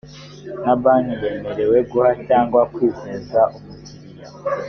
nta banki yemerewe guha cyangwa kwizeza umukiriya